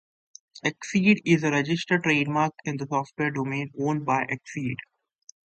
Xceed is a registered trademark in the software domain owned by Xceed.